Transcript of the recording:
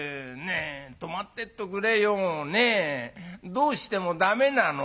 どうしてもだめなの？」。